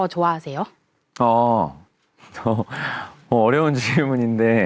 อยู่ในรายที่ไหนล่ะ